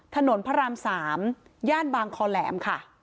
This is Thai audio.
ถนนพระราม๓ย่านบางคอแหลมค่ะ